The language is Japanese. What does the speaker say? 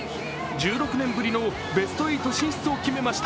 １６年ぶりのベスト８進出を決めました。